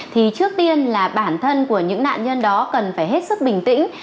thì trước tiên là bản thân của những nạn nhân đó cần phải hết sức bình tĩnh